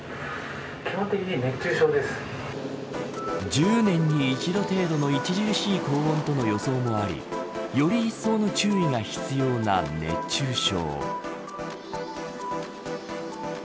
１０年に一度程度の著しい高温との予想もありよりいっそうの注意が必要な熱中症。